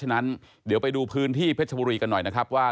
ฉะนั้นเดี๋ยวไปดูพื้นที่เพชรบุรีกันหน่อยนะครับว่า